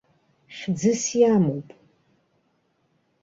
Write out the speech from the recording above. Хьӡыс иамоуп.